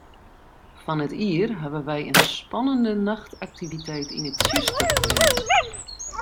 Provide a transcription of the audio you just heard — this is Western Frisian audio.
Fan 't jier hawwe wy in spannende nachtaktiviteit yn it tsjuster pland.